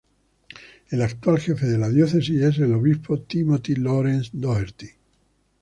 El actual jefe de la Diócesis es el Obispo Timothy Lawrence Doherty.